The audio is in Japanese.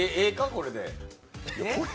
これで。